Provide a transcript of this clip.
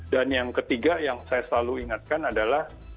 dan yang ketiga yang saya selalu ingatkan adalah